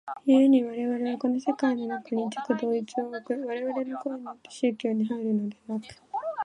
故に我々はこの世界の中に自己同一を置く我々の行為によって宗教に入るのでなく、